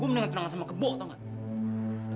gue mendingan tunangan sama kebo tau gak